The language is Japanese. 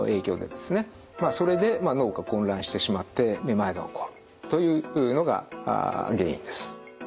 まあそれで脳が混乱してしまってめまいが起こるというのが原因です。